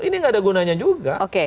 ini nggak ada gunanya juga